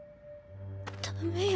ダメよ